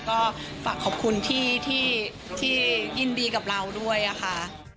ก็ฝากขอบคุณที่ยินดีกับเราด้วยค่ะ